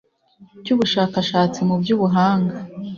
cy’Ubushakashatsi mu by’Ubuhanga